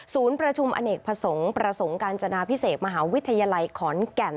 ศูนย์ประชุมอเนกประสงค์การจนาพิเศษมหาวิทยาลัยขอนแก่น